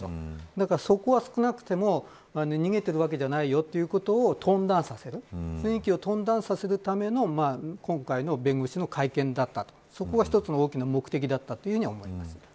だから、そこは少なくとも逃げているわけではないということを雰囲気をトーンダウンさせるための今回の弁護士の会見だったとそこが一つの大きな目的だったと思います。